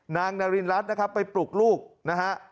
นางนารินรัฐไปปลูกลูกนะฮะ